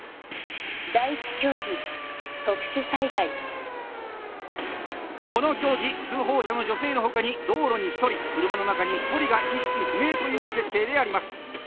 第１競技この競技通報者の女性の他に道路に１人車の中に１人が意識不明という設定であります。